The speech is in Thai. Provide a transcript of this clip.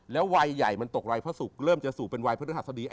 วัยใหญ่มันตกวัยพระศุกร์เริ่มจะสู่เป็นวัยพฤหัสดี